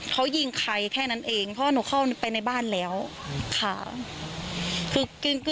คือไม่เคยเจออย่างนี้เลย